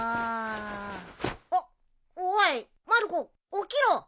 あっおいまる子起きろ。